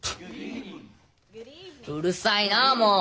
うるさいなもう！